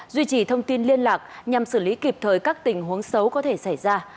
duy trì thông tin liên lạc nhằm xử lý kịp thời các tình huống xấu có thể xảy ra